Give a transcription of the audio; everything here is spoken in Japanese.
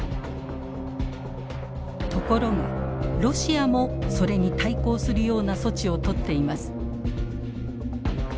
ところがロシアもそれに対抗するような措置をとっています。